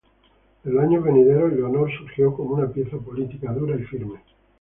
En los años venideros, Leonor surgió como una pieza política dura y firme.